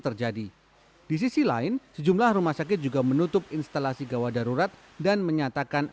terjadi di sisi lain sejumlah rumah sakit juga menutup instalasi gawa darurat dan menyatakan